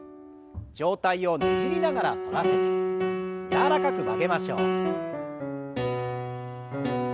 上体をねじりながら反らせて柔らかく曲げましょう。